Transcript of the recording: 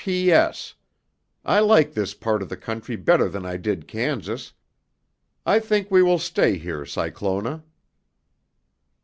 '" "'P.S. I like this part of the country better than I did Kansas. I think we will stay here, Cyclona.'"